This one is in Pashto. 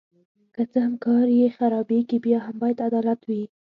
که څه هم کار یې خرابیږي بیا هم باید عدالت وي.